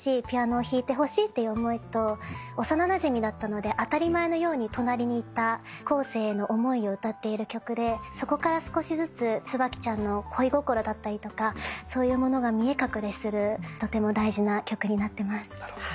ピアノを弾いてほしいっていう思いと幼なじみだったので当たり前のように隣にいた公生の思いを歌っている曲でそこから少しずつ椿ちゃんの恋心だったりとかそういうものが見え隠れするとても大事な曲になってます。